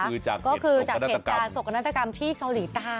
ก็คือจากเหตุการณ์สกนาฏกรรมที่เกาหลีใต้